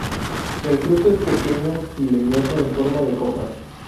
El fruto es pequeño y leñoso en forma de copa.